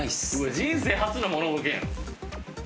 人生初のモノボケやん。